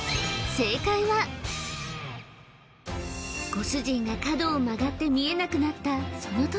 ご主人が角を曲がって見えなくなったその時！